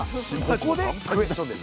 ここでクエスチョンです。